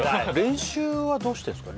練習はどうしてるんですか？